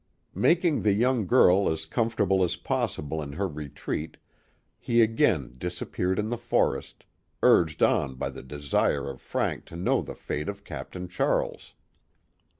Making the young girl as comfortable as possible in her retreat, he again disap peared in the forest, urged on by the desire of Frank to know the fate of Captain Charles.